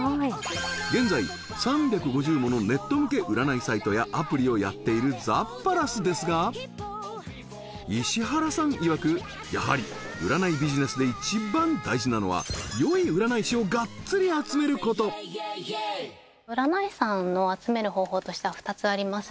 現在３５０ものネット向け占いサイトやアプリをやっているザッパラスですが石原さんいわくやはり占いビジネスで一番大事なのは良い占い師をガッツリ集めること占い師さんの集める方法としては２つあります